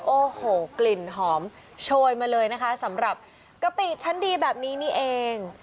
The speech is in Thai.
โอ้โหกลิ่นหอมโชยมาเลยนะคะสำหรับกะปิชั้นดีแบบนี้นี่เอง